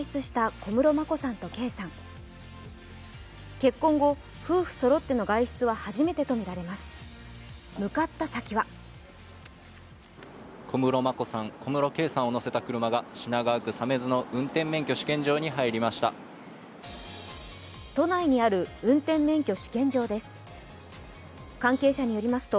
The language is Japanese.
小室圭さんを乗せた車が品川区鮫洲の運転免許試験場に入りました。